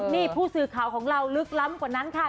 นี่ผู้สื่อข่าวของเราลึกล้ำกว่านั้นค่ะ